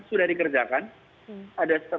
sudah dikerjakan ada